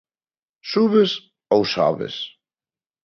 "Subes" ou "sobes"?